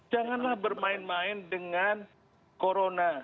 janganlah bermain main dengan corona